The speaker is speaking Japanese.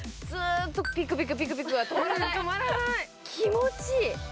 気持ちいい。